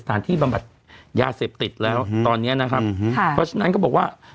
บำบัดยาเสพติดแล้วตอนเนี้ยนะครับค่ะเพราะฉะนั้นก็บอกว่า